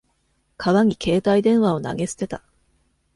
川に携帯電話を投げ捨てた。